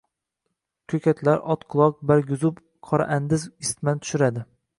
Ko‘katlar, otquloq, bargizub, qora andiz isitmani tushiradi.